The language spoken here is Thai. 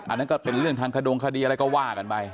อันนั้นก็เป็นเรื่องทางขดงคดีอะไรก็ว่ากันไป